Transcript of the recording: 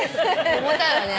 重たいわね。